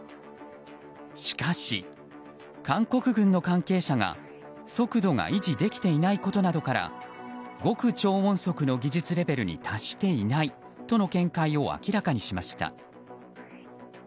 しかし韓国軍の関係者が、速度が維持できていないことなどから極超音速の技術レベルに達していないとの見解を明らかにしました。